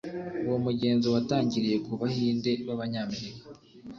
uwo mugenzo watangiriye ku bahinde b'abanyamerika